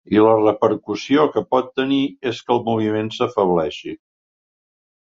I la repercussió que pot tenir és que el moviment s’afebleixi.